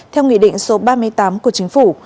theo nghị định số ba mươi tám của chính phủ